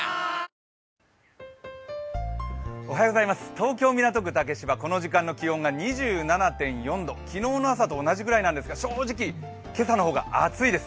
東京・港区竹芝今時間の気温は２７．４度、昨日の朝と同じぐらいなんですが正直、今日の方が暑いです。